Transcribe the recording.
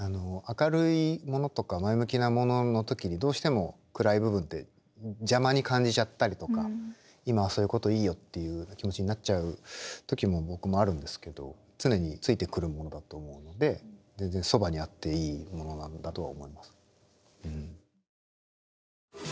明るいものとか前向きなものの時にどうしても暗い部分って邪魔に感じちゃったりとか今はそういうこといいよっていう気持ちになっちゃう時も僕もあるんですけど常についてくるものだと思うので全然そばにあっていいものなんだとは思います。